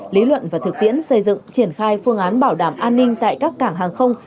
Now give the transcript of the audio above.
lý luận và thực tiễn xây dựng triển khai phương án bảo đảm an ninh tại các cảng hàng không